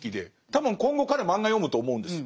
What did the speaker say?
多分今後彼は漫画読むと思うんです。